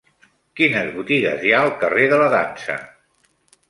Quines botigues hi ha al carrer de la Dansa?